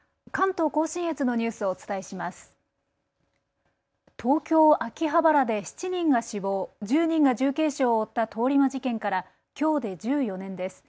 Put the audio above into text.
東京・秋葉原で７人が死亡、１０人が重軽傷を負った通り魔事件からきょうで１４年です。